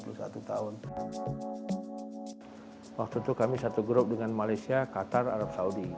pemain pemain juga tergabung dari profesional amatir perserikatan maupun dari pssi garuda